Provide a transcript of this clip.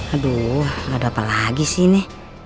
aduh gak ada apa lagi sih ini